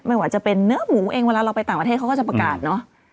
ไม่ว่าจะเป็นเนื้อหมูเองเวลาเราไปต่างประเทศเขาก็จะประกาศเนอะ